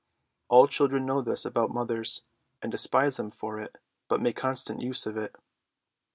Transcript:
All children know this about mothers, and despise them for it, but make constant use of it.